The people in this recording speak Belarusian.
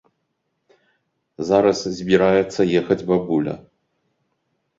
Зараз збіраецца ехаць бабуля.